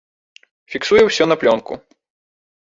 Фіксуе ўсё на плёнку.